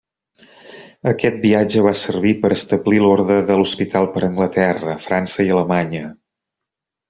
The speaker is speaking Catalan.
Aquest viatge va servir per establir l'orde de l'Hospital per Anglaterra, França i Alemanya.